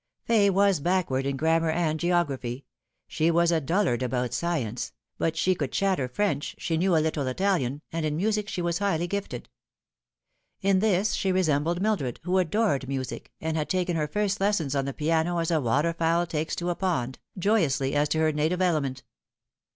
Fay was backward in grammar and geography ; she was a dullard about science ; but she could chatter French, phe knew a little Italian, and in music she was highly gifted. In this she resembled Mildred, who adored music, and had taken her first lessons on the piano as a water fowl takes to a pond, joyously, as to her native element.